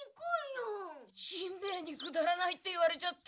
・しんべヱにくだらないって言われちゃった。